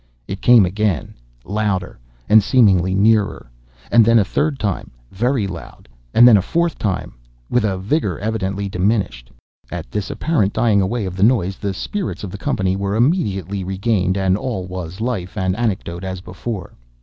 It came again—louder and seemingly nearer—and then a third time very loud, and then a fourth time with a vigor evidently diminished. At this apparent dying away of the noise, the spirits of the company were immediately regained, and all was life and anecdote as before.